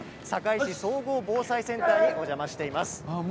堺市総合防災センターにお邪魔しています。